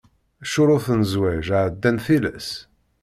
Ccuruṭ n zzwaǧ εeddan tilas.